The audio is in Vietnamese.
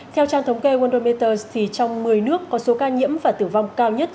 theo trang thống kê wondermeters trong một mươi nước có số ca nhiễm và tử vong cao nhất